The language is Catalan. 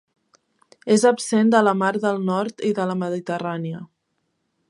És absent de la Mar del Nord i de la Mediterrània.